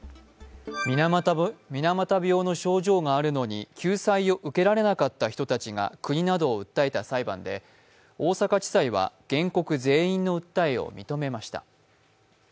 水俣病の症状があるのに救済を受けられなかった人たちが国などを訴えた裁判で、大阪地裁は原告全員の訴えを認めました。